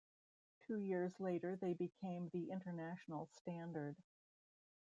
Two years later, they became the international standard.